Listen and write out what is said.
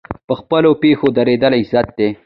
په خپلو پښو دریدل عزت دی